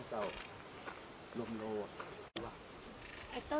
สุดท้ายเมื่อเวลาสุดท้าย